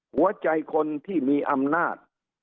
หัวใจคนที่มีอำนาจ